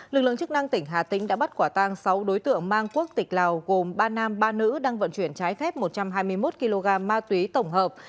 lực lượng chức năng tỉnh hà tĩnh đã bắt quả tang sáu đối tượng mang quốc tịch lào gồm ba nam ba nữ đang vận chuyển trái phép một trăm hai mươi một kg ma túy tổng hợp